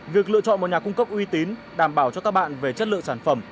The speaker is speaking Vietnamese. việc lựa chọn một nhà cung cấp uy tín đảm bảo cho các bạn về chất lượng sản phẩm